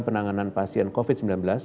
penanganan pasien covid sembilan belas